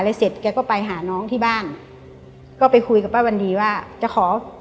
เสร็จแกก็ไปหาน้องที่บ้านก็ไปคุยกับป้าวันดีว่าจะขอ